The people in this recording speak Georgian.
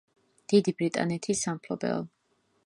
დიდი ბრიტანეთის სამფლობელო.